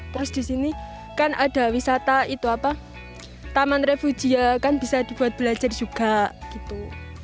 terus di sini kan ada wisata itu apa taman refugia kan bisa dibuat belajar juga gitu